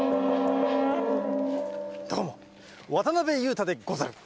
どうも、渡辺裕太でござる。